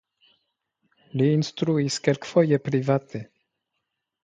Li instruis kelkfoje private.